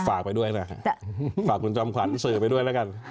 ฝากไปด้วยฝากคุณจอมขวัญเสื่อไปด้วย